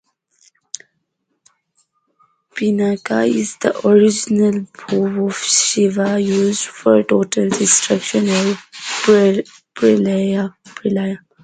Pinaka is the original bow of Shiva used for total destruction or "Pralaya".